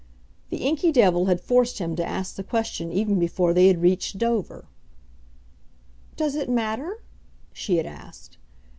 The inky devil had forced him to ask the question even before they had reached Dover. "Does it matter?" she had asked.